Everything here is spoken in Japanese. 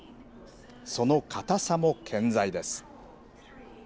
その硬さも健在です。